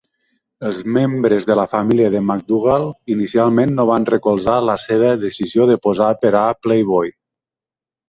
Els membres de la família de McDougal inicialment no van recolzar la seva decisió de posar per a "Playboy".